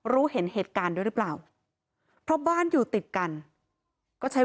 รู้เห็นเหตุการณ์ด้วยหรือเปล่าเพราะบ้านอยู่ติดกันก็ใช้